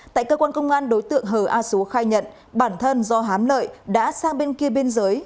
tại cơ quan công an đối tượng hờ a xúa khai nhận bản thân do hám lợi đã sang bên kia biên giới